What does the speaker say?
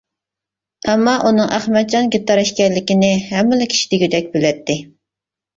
ئەمما ئۇنىڭ ئەخمەتجان گىتار ئىكەنلىكىنى ھەممىلا كىشى دېگۈدەك بىلەتتى.